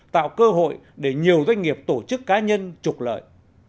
tạo cơ hội để nhiều doanh nghiệp tổ chức cá nhân trục lợi